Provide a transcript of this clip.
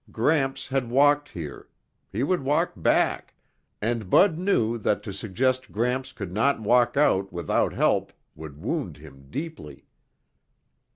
Gramps had walked here; he would walk back, and Bud knew that to suggest Gramps could not walk out without help would wound him deeply.